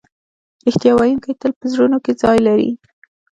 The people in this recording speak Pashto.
رښتیا ویونکی تل په زړونو کې ځای لري.